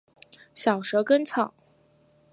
小蛇根草